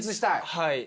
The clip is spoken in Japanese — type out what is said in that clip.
はい。